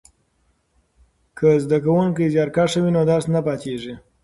که زده کوونکی زیارکښ وي نو درس نه پاتیږي.